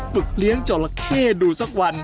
ฝึกเลี้ยงเจาะละแค่ดูสักวัน